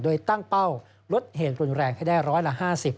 โดยตั้งเป้าลดเหตุรุนแรงให้ได้ร้อยละ๕๐